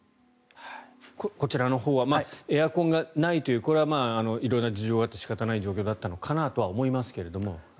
こちらのほうはエアコンがないというこれは色々な事情があって仕方ない状況だったのかなと思いますが。